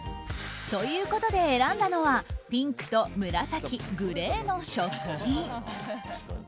ということで選んだのはピンクと紫、グレーの食器。